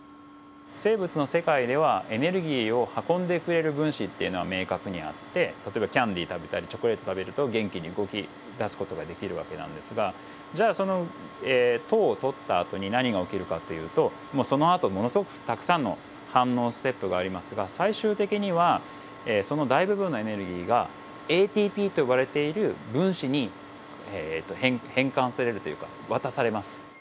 生物の世界ではエネルギーを運んでくれる分子っていうのは明確にあって例えばキャンディー食べたりチョコレート食べると元気に動き出す事ができる訳なんですがじゃあその糖をとったあとに何が起きるかっていうとそのあとものすごくたくさんの反応ステップがありますが最終的にはその大部分のエネルギーがＡＴＰと呼ばれている分子に変換されるというか渡されます。